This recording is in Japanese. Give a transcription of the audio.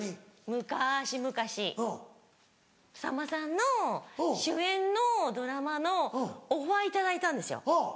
むかしむかしさんまさんの主演のドラマのオファー頂いたんですよ